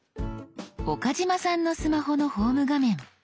岡嶋さんのスマホのホーム画面。